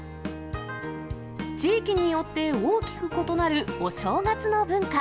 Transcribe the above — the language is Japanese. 地域によって大きく異なるお正月の文化。